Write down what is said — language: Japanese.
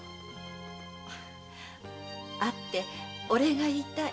会ってお礼が言いたい。